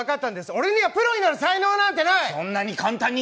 俺にはプロになる才能なんてない。